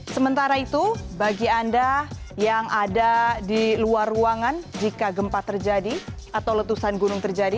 sementara itu bagi anda yang ada di luar ruangan jika gempa terjadi atau letusan gunung terjadi